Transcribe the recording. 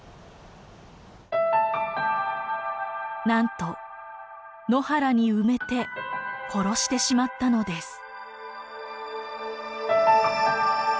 なんと野原に埋めて殺してしまったのです。